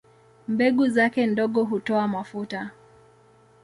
Mbegu zake ndogo hutoa mafuta.